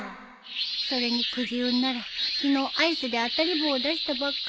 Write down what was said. それにくじ運なら昨日アイスで当たり棒出したばっかりだよ。